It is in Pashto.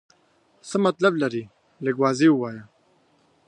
څه مطلب لرې ؟ لږ واضح ووایه.